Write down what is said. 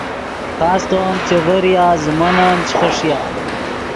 خاستو ام چے ڤریا زیمون ام چے خݰیا